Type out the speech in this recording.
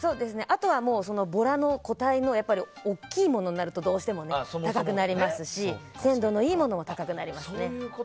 あとは、ボラの個体の大きいものになるとどうしても高くなりますし鮮度のいいものは高くなりますね。